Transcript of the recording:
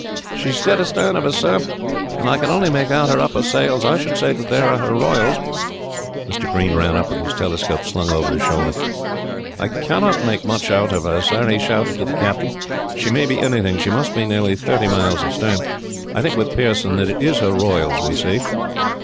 "She is dead astern of us, sir, and I can only make out her upper sails. I should say that they are her royals." Mr. Green ran up, with his telescope slung over his shoulder. "I cannot make much out of her, sir," he shouted to the captain. "She may be anything. She must be nearly thirty miles astern. I think, with Pearson, that it is her royals we see."